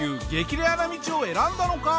レアな道を選んだのか？